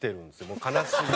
もう悲しい。